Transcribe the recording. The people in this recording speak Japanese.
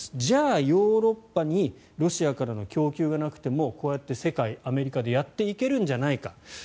じゃあヨーロッパにロシアからの供給がなくてもこうやって世界、アメリカでやっていけるんじゃないか。